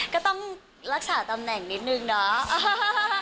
ก็ต้องรักษาตำแหน่งนิดนึงเนาะ